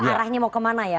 arahnya mau kemana ya